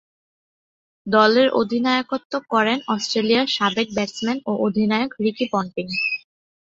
দলের অধিনায়কত্ব করেন অস্ট্রেলিয়ার সাবেক ব্যাটসম্যান ও অধিনায়ক রিকি পন্টিং।